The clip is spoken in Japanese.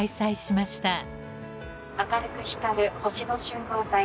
・明るく光る星の集合体。